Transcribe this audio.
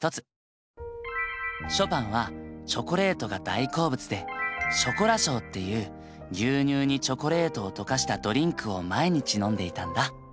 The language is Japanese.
ショパンはチョコレートが大好物でショコラショーっていう牛乳にチョコレートを溶かしたドリンクを毎日飲んでいたんだ。